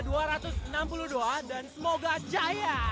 dan semoga jaya